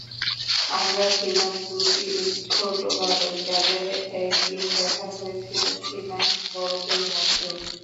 আমরা ছিলাম দুটি ছোট ভালুক যাদের একদিন দেখা হয়েছিল সীমাহীন বরফের মধ্যে।